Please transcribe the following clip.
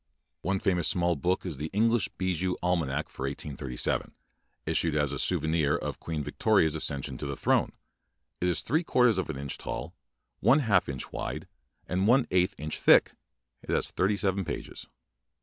One famous small book is "The Eng lish Bijou Almanack for 1837", issued as a souvenir of Queen Victoria's ac cession to the throne. It is three quarters of an inch tall, one half inch wide, and one eighth inch thick. It has thirty seven pages.